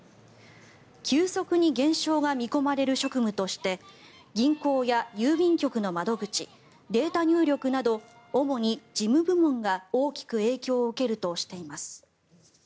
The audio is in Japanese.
急速に減少が見込まれる職務として銀行や郵便局の窓口データ入力など主に事務部門が大きく影響を受けるとしています。